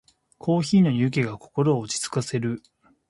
コーヒーの湯気が心を落ち着かせる。